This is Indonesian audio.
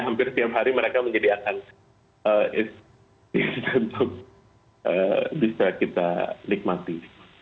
hampir setiap hari mereka menjadi akan untuk bisa kita nikmati